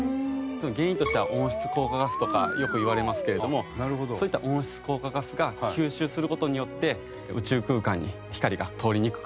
原因としては温室効果ガスとかよくいわれますけれどもそういった温室効果ガスが吸収する事によって宇宙空間に光が通りにくくなっております。